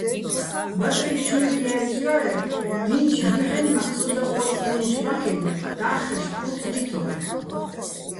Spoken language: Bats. ბატრი ჩუჲჰ̦ ჲერწჲო́ერ, დი́ნჩო̆ ჲუჰ̦ენმაქ სოდა ო́წბიენჩო̆ ბაქეგო̆ და́ხხეშ პრუწ დითორ.